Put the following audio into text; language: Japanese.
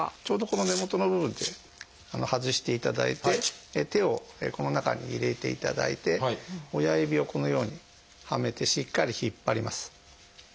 ちょうどこの根元の部分で外していただいて手をこの中に入れていただいて親指をこのようにはめてしっかり引っ張ります。